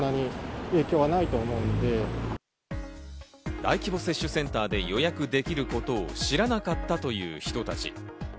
大規模接種センターで予約できることを知らなかったという人たち。